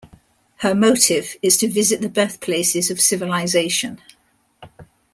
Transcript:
Her motive is to visit the birthplaces of civilisation.